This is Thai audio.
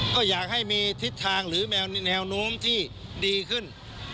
ก็อยากให้มีทิศทางหรือแนวโน้มที่ดีขึ้น